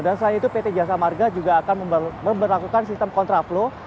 dan selain itu pt jasa marga juga akan memperlakukan sistem kontraflow